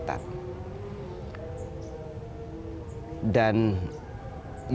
dan yang dilakukan oleh pemimpin